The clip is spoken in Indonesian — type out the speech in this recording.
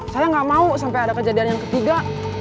saya nggak mau sampai ada kejadian yang ketiga